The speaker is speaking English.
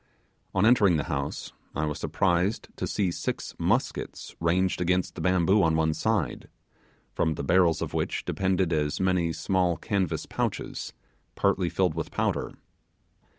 On entering the house, I was surprised to see six muskets ranged against the bamboo on one side, from the barrels of which depended as many small canvas pouches, partly filled with powder.